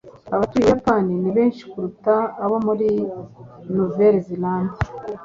abatuye ubuyapani ni benshi kuruta abo muri nouvelle-zélande